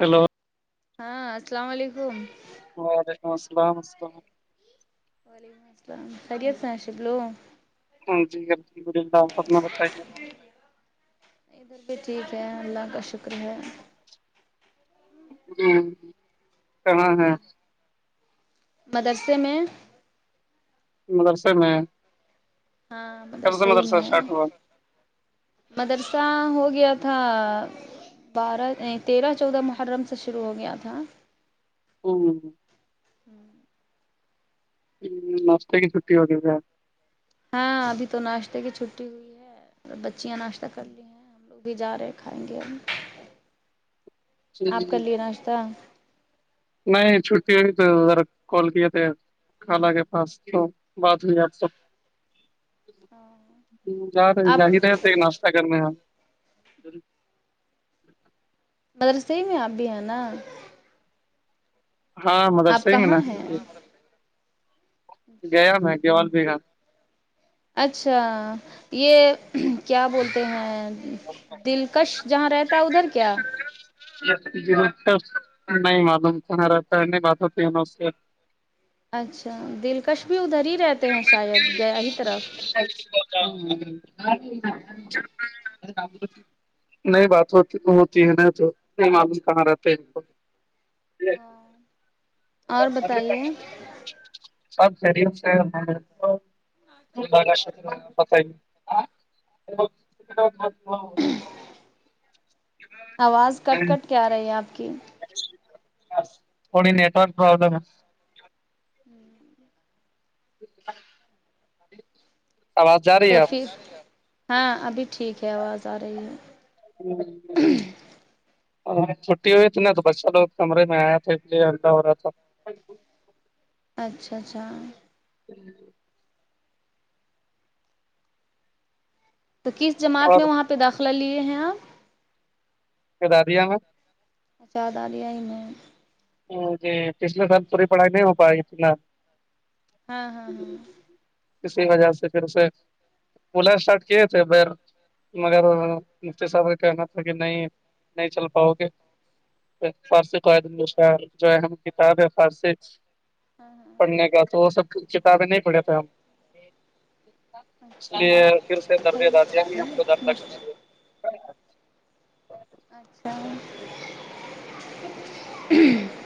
Hello ہاں السلام علیکم [inaudible] وعلیکم السلام خریت سےاشفلو ہاں جی سنا بتائیے ادھر بھی ٹھیک ہے اللہ کا شکر ہے ہ ہاں ہاں مدرسے میں مدرسہ میں ہاں ملر کب سے صحی مدرسہ نہیں ہے اسٹارٹ ہوا مدرسہ ہو گیا تھا بارہ تیرہ چودہ محرم سے شروع ہو گیا تھا او [unintelligible] ہ ہفتے کی چھٹی ہوگی گ [unintelligible] ہاں ابھی تو ناشتے کی چھٹی ہوئی ہے بچیاں ناشتہ کر لی ہیں ہم لوگ بھی جا رہے کھائیں گے ہم آپ کر لیے ناشتہ نہیں چھٹی ہوئی تو ذرا کال کیے تھے کھانہ کے پاس تو بات ہوئی آپ سب جا آپ جاہ رہے ناشہ کرنا ہے مر س میں اب ہے نا ہاں آپ مدرسے ہے نا کہاں ہیں گیا میں گوال بھیھا اچھا یہ کیا بولتے ہیں دلکش جہاں رہتا ہے ادھر کیا نہیں معلوم کہنا رہتا ہے نہیں بات ہوتی ان سے اچھا دلکش بھی ادھر ہی رہتے ہیں شاید گیا ہی طرف سچ [unintelligible] ذو [unintelligible] نئی بات ہو ہوتی ہے ن تو نہیں معلوم کہاں رہتے ہیں کو ج اور کم [unintelligible] بتائیے سب فری سےت ہی [unintelligible] ہ [unintelligible] آواز کٹ کٹ کیا رہی ہے آپ کی کونی نیٹورک پروبلم ہوں [unintelligible] سوات [unintelligible] تو پھر ہاں ابھی ٹھیک ہے آواز آ رہی ہے ہ [unintelligible] ہ چھٹی ہوئی تھی نا تو بچہ لوگ کمرے میں آیا تھا اس لیے ہڈا ہو رہا تھا اچھا اچھا جی [unintelligible] تو کس جماعت میں اور وہاں پہ داخلہ لیے ہیں آپ کے دادیا میں [unintelligible] اچاد آ لیا ہی میں جی پچھلے سال پوری پڑھائی نہیں ہو پائےی فی الحال ہاں ہاں ہاں اسی وجہ سے پھر اسے اولا اسٹارٹ کیے تھے بیر مگر مفتی صاحب کا کہنا تھا کہ نہیں نہیں چل پاؤ گے فارسی کا [unintelligible] جو اہم کتاب ہے فارسی ہاں پڑھنے کا تو وہ سب کتابیں نہیں پڑھے تھے ہم ہاں اس لیے پھر سے دردے دادیا بھی اچھا ہم کو دردہ کرتی ہے اچھا ہچ [unintelligible]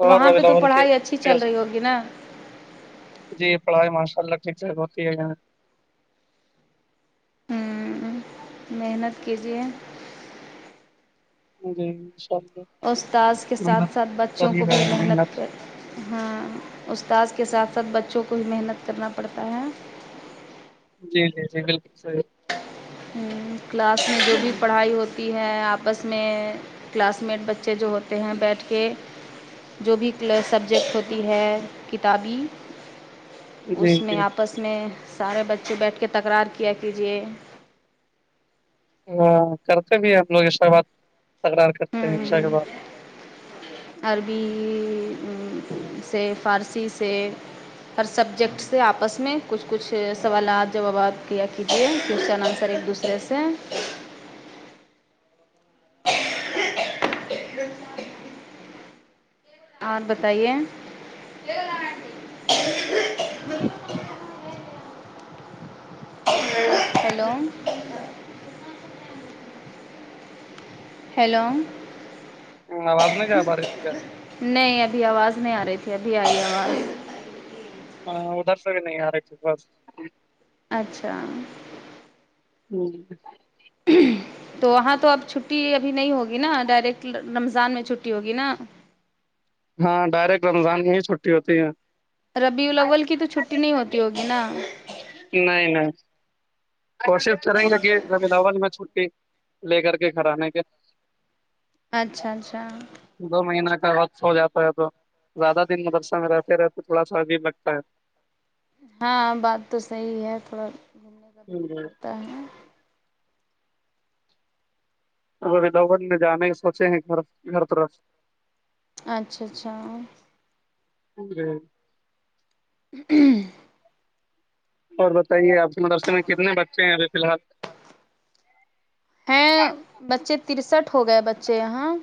تو اور وہاں ربی پہ تو الاول کے پڑھائی اچھی چل ٹیسٹ رہی ہوگی نا جی پڑھائی ماشاء اللہ ٹھیک ہوتی ہے یہاں ہوں محنت کیجیے جی سب [unintelligible] استاذ کے ساتھ ساتھ بچوں کو بھی رہے ہیں محنت کریں ہاں استاذ کے ساتھ ساتھ بچوں کو بھی محنت کرنا پڑتا ہے جی جی جی بالکل سر کلاس میں جو بھی پڑھائی ہوتی ہے آپس میں کلاس میٹ بچے جو ہوتے ہیں بیٹھ کے- جو بھی سبجیکٹ ہوتی ہے کتابی- جی اس جی میں آپس میں سارے بچے بیٹھ کے تکرار کیا کیجیے- ہاں کرتے بھی ہم لوگ اسا بات تکرار کرتے ہیں انشا کے ہوں بات- عربی سے فارسی سے- ہر سبجیکٹ سے آپس میں کچھ کچھ سوالات جوابات کیا کیجیے ٹینسر ایک دوسرے- جیسے اور بتائیے? ہلو ہیلو آواز نہیں کیا بارشی کیا- نہیں ابھی آواز نہیں آ رہی تھی ابھی آئی آواز- ہ ادھر سے بھی نہیں آ رہی تھھی بس- اچھا ہوں تو وہاں تو اب چھٹی ابھی نہیں ہوگی نا ڈائریکٹ رمضان میں چھٹی ہوگی نا- ہاں ڈائریکٹ رمضان میں ہی چھٹی ہوتی ہے- ربی الاول کی تو چھٹی نہیں ہوتی ہوگی نا- نہیں- نہیں کوشش کریں گے کہ رلاول میں چھٹی لے کر کے گھرانے کے- اچھا- اچھا دو مہینہ کا وقت ہو جاتا ہے تو زیادہ دن مدرسہ میں رہتے رہتے تھوڑا سا عجیب لگتا ہے- ہاں بات تو صحیح ہے تھوڑا گھومنے کا بھی دل ہے کرتا ہے نا ادھوبن میں جانے سوچے ہیں گھر- گھر طرف- اچھا- اچھا ج جی- ہوں- اور بتائیے آپ کے مدرسے میں کتنے بچے ہیں ابھی فی الحال- ہے بچے ترسٹھ ہو گئے بچے یہاں-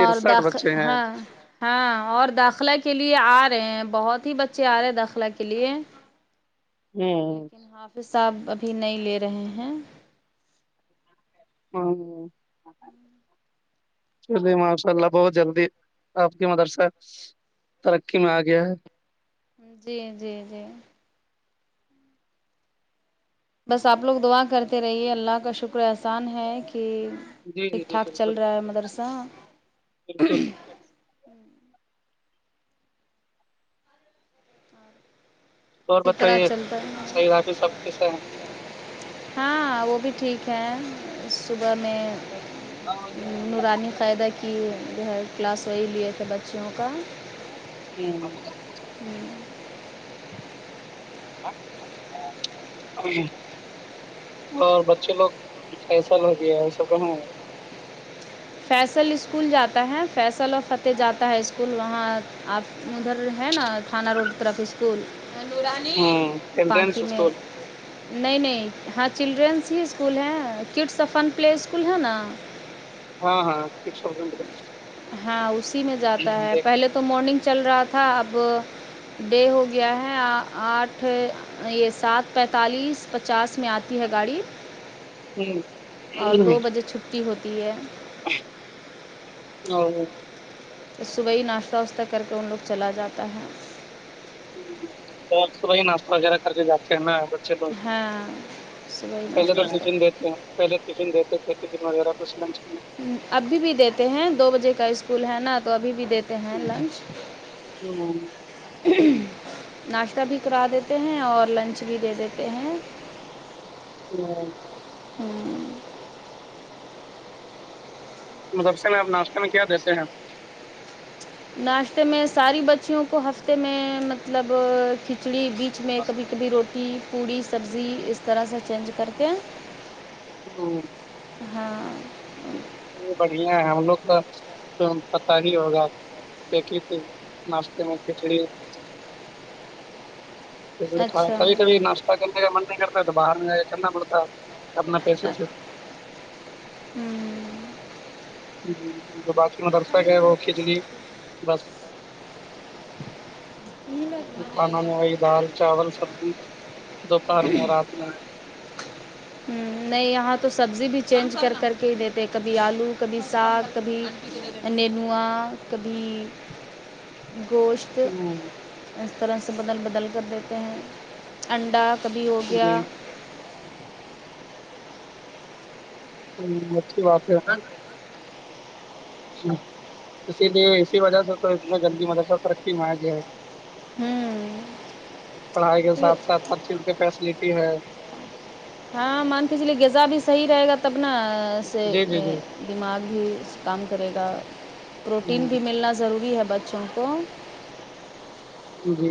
اور داخ بچے ہیں ہاں- ہاں اور داخلہ کے لیے آ رہے ہیں بہت ہی بچے آ رہے ہیں داخلہ کے لیے- ہوں لیکن حافظ ص آحب ابھی نہیں لے رہے ہیں- ہاں چلیے ماشاء اللہ بہت جلدی آپ کی مدرسہ- ترقی میں آ گیا ہے- جی- جی- جی بس آپ لوگ دعا کرتے رہیے اللہ کا شکر احسان ہے کہ- جی جی ٹھیک جی ٹھاک چل بالکل رہا ہے مدرسہ- بالکل اور اسی طرح بتائیے چلتا ہے صیدافی سب کیسے ہیں- ہاں وہ بھی ٹھیک ہیں صبح میں- نورانی قائدہ کی- کہ جو ہے کلاس وہی لیے تھے بچیوں کا- ہوں ہوں [unintelligible] اور بچے لوگ فیصل ہوگیا ہے ایسا کہیں- فیصل اسکول جاتا ہے فیصل و فتح جاتا ہے اسکول وہاں- آپ ادھر ہے نا تھانہ روڈ طرف اس- اسکولورانی ہے پانچ ہی چلڈرینس میں- اسکول نہیں- نہیں ہاں چلڈرینس ہی اسکول ہیں کڈ سفن پلے اسکول ہے نا- ہاں ہاں سس تھاز ہاں اسی میں جاتا ہے پہلے تو مارننگ چل رہا تھا اب ڈے ہو گیا ہے آٹھ یہ سات پینتالیس پچاس میں آتے ہے گاڑی اور دو بجے چھٹی ہوتی ہے ا [unintelligible] صبح ہی ناشتہ واشتہ کر کے ان لوگ چلا جاتا ہے اور بائی ناشہ وغیرہ کر کے ج کے ہےنا ہے ب لو ہاں صبح ہی پہلے ناشتہ تو فن واشتہ دیتے ہیں پہلے فن دیتے تھے فن وغیرہ کش [unintelligible] ابھی بھی دیتے ہیں دو بجے کا اسکول ہے نا تو ابھی بھی دیتے ہیں لنچ ہوں ہ [unintelligible] [unintelligible] ناشتہ بھی کرا دیتے ہیں اور لنچ بھی دے دیتے ہیں ا [unintelligible] [unintelligible] ہوں [unintelligible] مدرسے میں آپ ناشتتے میں کیا دیتے ہیں ناشتے میں ساری بچیوں کو ہفتے میں مطلب کھچڑی بھی کچ میں کبھی کبھی روٹی پوڑی سبزی اس طرح سے چینج کرتے ہیں ہ [unintelligible] [unintelligible] ہاں بڑھیا ہے ہم لوگ کا تو پتا ہی ہوگا ایکھی ت ناشتے میں کھچڑی [inaudible] [inaudible] اچھا کبھی کبھی ناشتہ کرنے کا من نہیں کرتا تو باہر میں جیا کرنا پڑتا اپنا پیسے سے ہوں [unintelligible] جی ج جو باقی مدرسہ گ وہ کھینچ لیے بس کھانا میں وہی دال چاول سبزی دوپہر میں رات میں نہیں یہاں تو سبزی بھی چینج کر کر کے ہی دیتے کبھی آلو کبھی ساگ کبھی نینوا کبھی گوشت ہوں، اس طرح سے بدل بدل کر دیتے ہیں انڈا کبھی ہو جی گیا ہ مچھی بات ہے اسی لیے اسی وجہ سے تو اتنا گلدی مدرسہ ترقی میں آ گیا ہے ہوں پڑھائی کے ساتھ ساتھ ہر چیز کے فیسلٹی ہے ہاں مان کے چلیے غذا بھی صحی رہے گا تب نا سے جی جی جی دماغ بھی کام کرے گا پروٹین ہوں، بھی ملنا ضروری ہے بچہ چون کوو [unintelligible] جی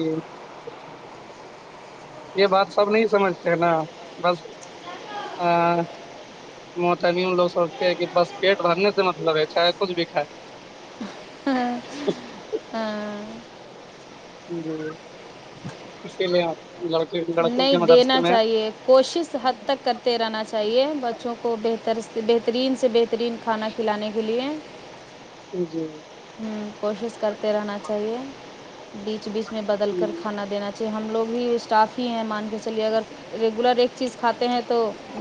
یہ بات سب نہیں سمجھتے ہیں نا بس ا موت لگ سوچتے ہیں کہ بس پیٹ بھرنے سے مطلب ہے چاہے کچھ بھی کھائے اچھ [unintelligible] [unintelligible] ہاں جی اسی لیے آپ لڑک نہیں دینا چاہیے کوشش حد تک کر تیرنا چاہیے بچوں کو بہتر بہترین سے بہترین کھانا کھلانے کے لیے جی کوشش کرتے رہنا چاہیے بیچ بیچ میں بدل جی کر کھانا دینا ھ ہم لوگ بھی اسٹاف ہی ہیں مان کے چلیے اگر ریگولر ایک چیز کھاتے ہیں تو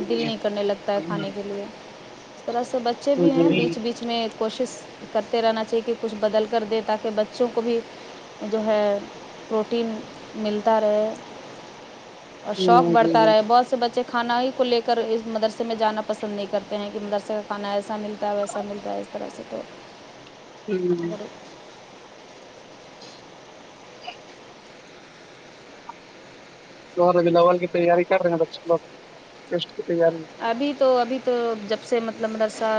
دل نہیں کرنے لگتا ہے کھانے کے لیے اس طرح سے بچے بھی ہیں بیچ بیچ میں کوشش کرتے رہنا چاہیے کہ کچھ بدل کر دیں تاکہ بچوں کو بھی جو ہے پروٹین ملتا رہے اور شوق بڑھتا جی رہے بہت سے بچے کھانا ہی کو لے کر اس مدرسے میں جانا پسند نہیں کرتے ہیں کہ مدرسے کا کھانا ایسا ملتا ہے ویسا ملتا ہے اس طرح سے تو ہوں اگر ج [unintelligible] نب لوول کی تیاری کر رہے ہیں ب لوگسٹ کی تیاری ابھی تو ابھی تو جب سے مطلب مدرسہ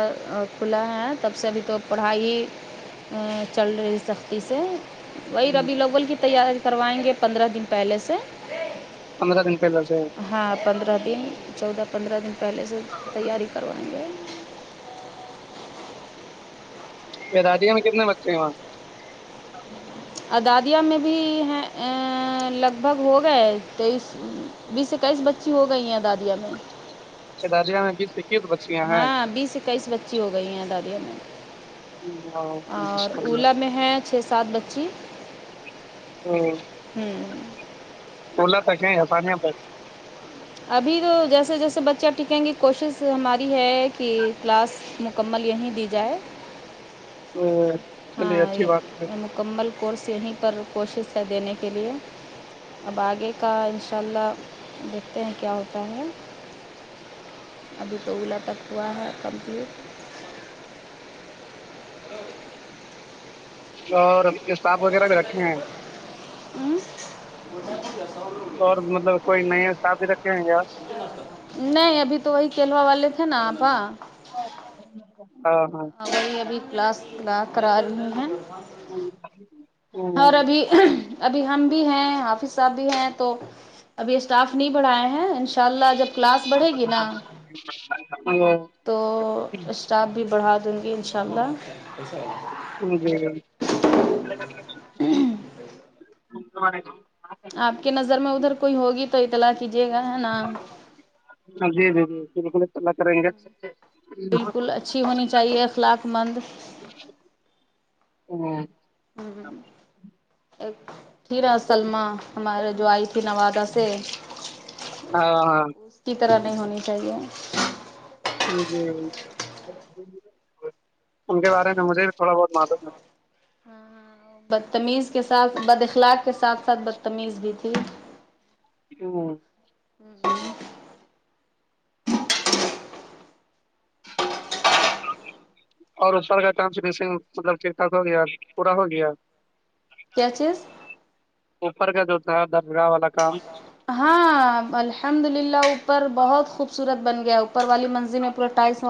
کھلا ہے تب سے ابھی تو پڑھائی چل رہی سختی سے وہی ربی اغول کی تیاری کروائیں گے پندرہ دن پہلے سے پندرہ دن پہلے سے ہاں پندرہ دن چودہ پندرہ دن پہلے سے تیاری کروائیں گے بتا دیے ہمیں کتنے بچے ہیں وہاں ادادیہ میں بھی ہے ا لگ بھگ ہو گئے تیس بیس اکیس بچی ہو گئی ہیں دادیاں میں ااجانس [unintelligible] ہاں بیس اکیس بچی ہو گئی ہیں دادیوں میں اور اولا میں ہے چھ سات بچی ہوں اولا پک ا ہسانیہ تک ابھی تو جیسے جیسے بچے آپ ٹھیکیں گے کوشش ہماری ہے کہ کلاس مکمل یہیں دی جائے ہ چلیے ہاں اچھی بات ہے پھر مکمل کورس یہیں پر کوششیں دینے کے لیے اب آگے کا انشاء اللہ دیکھتے ہیں کیا ہوتا ہے ابھی تو اولا تک ہوا ہے کمپلیٹ ا [unintelligible] اور کتاب وغیرہ بھی رکھے ہیں اور مطلب کوئی نئے ساتھی بھی رکھے گے نہیں ابھی تو وہی کیلوا والے تھے نا آپا ا ہاں وھئی ابھی کلاس کرا رہی ہیں ہاں اور ابھی ابھی ہم بھی ہیں حافظ صاحب بھی ہیں تو ابھی اسٹاف نہیں بڑھائے ہیں ان شاء اللہ جب کلاس آ بڑھے گی نا [unintelligible] ہ [unintelligible] تو اسٹاف بھی بڑھا دیں گی انشاء اللہ جی ہ [unintelligible] ب [unintelligible] آپ کی نظر میں ادھر کوئی ہوگی تو اطلاع کیجیے گا ہے نا ہاں جی جی جی بالکل اطلہ کریں گے ہاں بالکل اچھی ہونی چاہیے اخلاق مند ہ ایک [unintelligible] یرا سللما ہمارے جو آئی تھی نوادا سے ہاں کی طرح نہیں ہونی چاہیے جی ان کے بارے میں مجھے بھی تھوڑا بہت معلوم ہے بدتمیز کے ساتھ بد اخلاق کے ساتھ ساتھ بدتمیز بھی تھی ا [unintelligible] اور اوپر کا کام س مطلب ٹھیک ٹھاک ہو گیا پورا ہو گیا کیا چز [unintelligible] اوپر کا جو تھا درگاہ والا کام ہاں الحمد للہ اوپر بہت خوبصورت بن گیا اوپر والی منز پور ٹائس